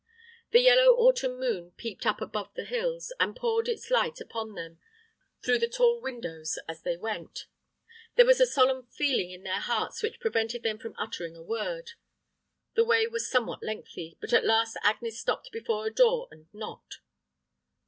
The yellow autumn moon peeped up above the hills, and poured its light upon them through the tall windows as they went. There was a solemn feeling in their hearts which prevented them from uttering a word. The way was somewhat lengthy, but at last Agnes stopped before a door and knocked.